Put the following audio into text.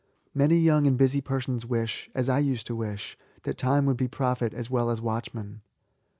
Many young and busy persons wish^ as I used to wish, that Time would be prophet as well as watchman.